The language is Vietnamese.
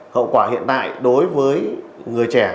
hậu quả hiện tại đối với người chơi khách quen